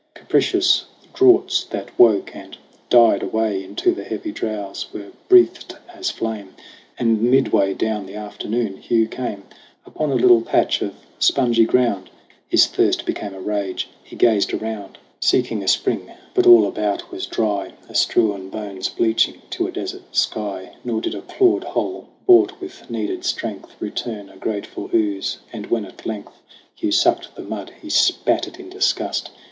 Capricious draughts that woke and died away Into the heavy drowse, were breatht as flame. And midway down the afternoon, Hugh came Upon a little patch of spongy ground. His thirst became a rage. He gazed around, 42 SONG OF HUGH GLASS Seeking a spring ; but all about was dry As strewn bones bleaching to a desert sky ; Nor did a clawed hole, bought with needed strength, Return a grateful ooze. And when at length Hugh sucked the mud, he spat it in disgust.